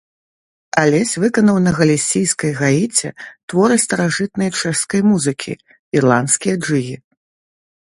Алесь выканаў на галісійскай гаіце творы старажытнай чэшскай музыкі, ірландскія джыгі.